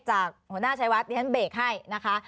จากหัวหน้าชัยวัดดิฉันเบรกให้นะคะ